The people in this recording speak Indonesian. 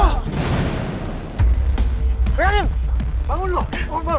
agak kenceng melewati situasi